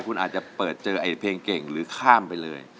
คุณอาจจะเปิดเจอเพลงเก่งหรือข้ามไปเลย